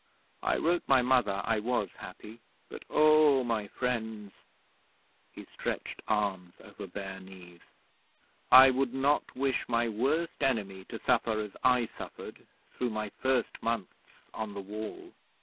I wrote my Mother I was happy, but, oh, my friends' he stretched arms over bare knees 'I would not wish my worst enemy to suffer as I suffered through my first months on the Wall.